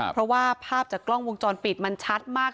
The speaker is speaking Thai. เพราะว่าภาพจากกล้องวงจรปิดมันชัดมาก